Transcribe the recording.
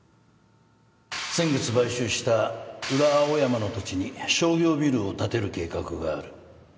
先月買収した裏青山の土地に商業ビルを建てる計画がある